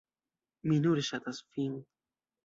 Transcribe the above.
Mi nur ŝatas vin!